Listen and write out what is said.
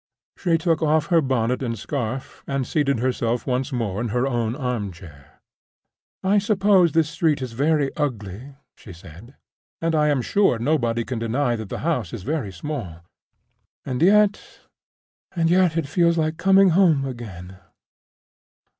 She took off her bonnet and scarf, and seated herself once more in her own arm chair. "I suppose this street is very ugly," she said; "and I am sure nobody can deny that the house is very small. And yet—and yet it feels like coming home again.